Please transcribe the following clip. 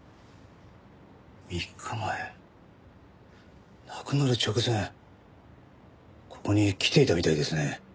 ３日前亡くなる直前ここに来ていたみたいですね